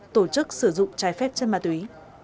trái phép chân ma túy